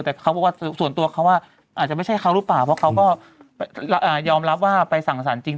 แต่ส่วนตัวเขาว่าอาจจะไม่ใช่ครับหรือเปล่าเพราะเขาก็ยอมรับว่าไปสั่งศาลจริง